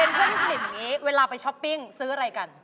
เป็นเพื่อนพี่สนิทแบบนี้เวลาไปช็อปปิ้งซื้ออะไรกัน